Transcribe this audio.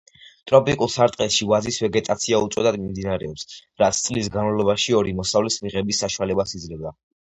ტროპიკულ სარტყელში ვაზის ვეგეტაცია უწყვეტად მიმდინარეობს, რაც წლის განმავლობაში ორი მოსავლის მიღების საშუალებას იძლევა.